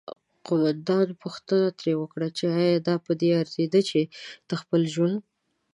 قوماندان پوښتنه ترې وکړه چې آیا دا پدې ارزیده چې ته خپل ژوند